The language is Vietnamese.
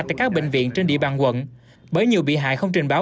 tại các bệnh viện trên địa bàn quận bởi nhiều bị hại không trình báo